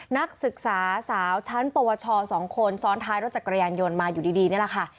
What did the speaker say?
นักศึกษาสาวชั้นปวช๒คนซ้อนท้ายรถจักรยานยนต์มาอยู่ดีนี่แหละค่ะ